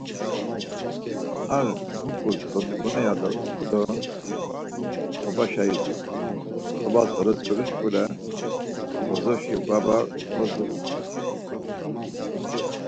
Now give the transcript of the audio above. Ar nuǩu dobibona ya tku do t̆obaşa idu, t̆obas dolotzǩedu şkule bozoşi vava kadziru.